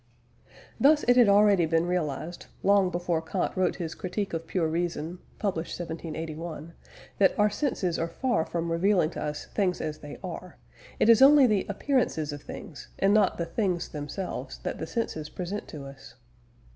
Thus it had already been realised, long before Kant wrote his Critique of Pure Reason (published, 1781), that our senses are far from revealing to us things as they are; it is only the appearances of things and not the things themselves that the senses present to us.